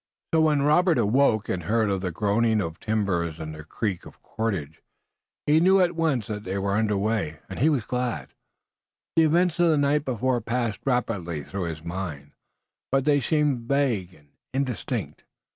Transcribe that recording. So when Robert awoke and heard the groaning of timbers and the creak of cordage he knew at once that they were under way and he was glad. The events of the night before passed rapidly through his mind, but they seemed vague and indistinct.